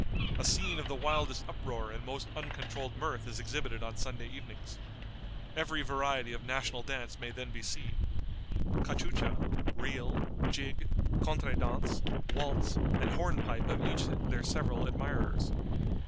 A scene of the wildest uproar and most uncontrolled mirth is exhibited on Sunday evenings. Every variety of national dance may then be seen cachucha, reel, jig, contré dance, waltz, and hornpipe have each their several admirers.